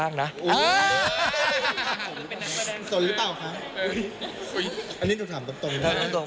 อันนี้ถูกถามตรง